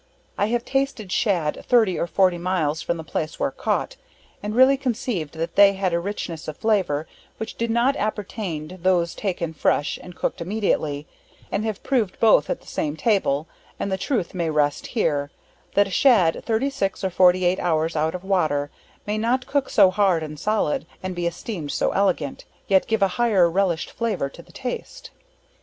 I have tasted Shad thirty or forty miles from the place where caught, and really conceived that they had a richness of flavor, which did not appertain to those taken fresh and cooked immediately, and have proved both at the same table, and the truth may rest here, that a Shad 36 or 48 hours out of water, may not cook so hard and solid, and be esteemed so elegant, yet give a higher relished flavor to the taste.